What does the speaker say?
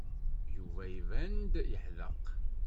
Yuba iban-d yeḥdeq.